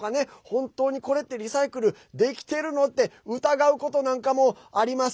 本当にこれってリサイクルできてるの？って疑うことなんかもあります。